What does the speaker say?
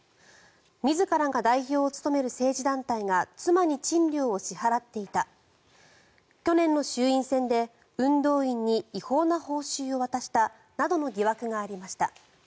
自らが代表を務める政治団体が妻に賃料を支払っていた去年の衆院選で運動員に違法な報酬を渡したなどの疑惑がありました。